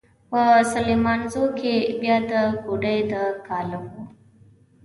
په سليمانزو کې بيا د کوډۍ د کاله و.